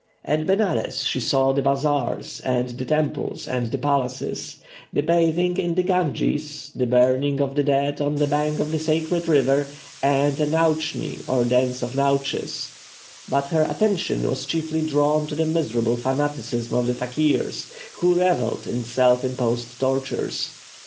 At Benares she saw the bazaars, and the temples, and the palaces; the bathing in the Ganges, the burning of the dead on the bank of the sacred river, and a nautchni or dance of nautches; but her attention was chiefly drawn to the miserable fanaticism of the fakeers, who revelled in self imposed tortures.